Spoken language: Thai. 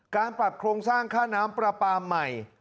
การปรับโครงสร้างค่าน้ำปลาปลาใหม่